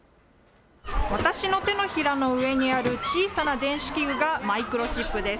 私の手のひらの上にある小さな電子器具がマイクロチップです。